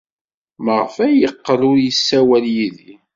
Maɣef ay yeqqel ur yessawal yid-i?